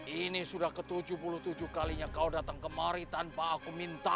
ini sudah ke tujuh puluh tujuh kalinya kau datang kemari tanpa aku minta